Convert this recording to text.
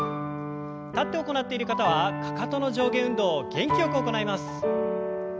立って行っている方はかかとの上下運動を元気よく行います。